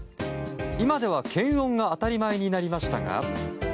今では検温が当たり前になりましたが。